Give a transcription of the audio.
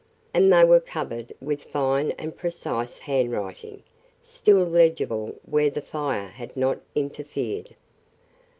And they were covered with fine and precise handwriting, still legible where the fire had not interfered.